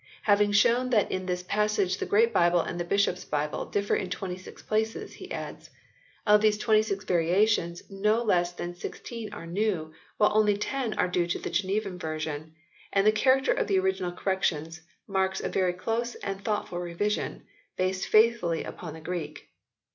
Having shown that in this passage the Great Bible and the Bishops differ in 26 places, he adds :" Of these 26 variations no less than 16 are new, while only 10 are due to the Genevan version, and the cha racter of the original corrections marks a very close and thoughtful revision, based faithfully upon the Greek."